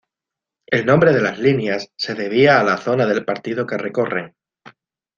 El nombre de las líneas se debía a la zona del partido que recorren.